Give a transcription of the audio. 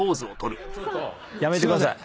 やめてください。